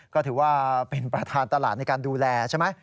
ก็ถือว่าเป็นประธานตลาดในการดูแลใช่ไหม